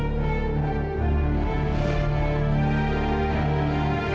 kau keluar dari situ